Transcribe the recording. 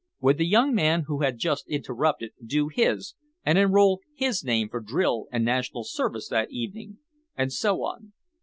Would the young man who had just interrupted do his, and enroll his name for drill and national service that evening? and so on.